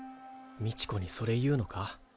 みちこにそれ言うのか？